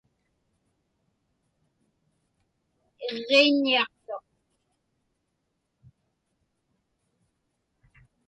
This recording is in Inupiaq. Iġġiññiaqtuq.